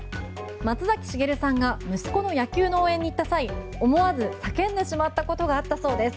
松崎しげるさんが息子の野球の応援に行った際思わず叫んでしまったことがあったそうです。